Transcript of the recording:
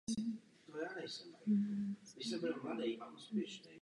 Zaměřuje se především na budoucnost.